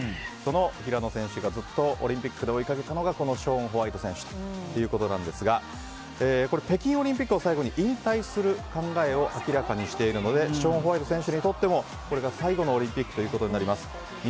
その平野選手がずっとオリンピックで追いかけたのがこのショーン・ホワイト選手ということなんですが北京オリンピックを最後に引退する考えを明らかにしているのでショーン・ホワイト選手にとってもこれが最後のオリンピックとなります。